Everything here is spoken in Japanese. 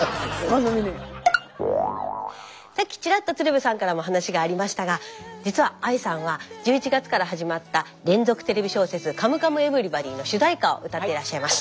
さっきちらっと鶴瓶さんからも話がありましたが実はＡＩさんは１１月から始まった連続テレビ小説「カムカムエヴリバディ」の主題歌を歌ってらっしゃいます。